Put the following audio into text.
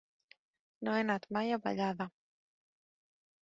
No he anat mai a Vallada.